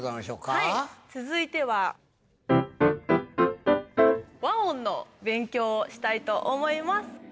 はい続いては。の勉強をしたいと思います。